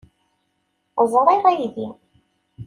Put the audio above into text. Ẓṛiɣ aydi.